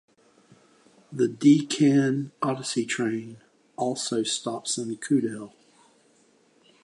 The Deccan Odyssey train also stops in Kudal.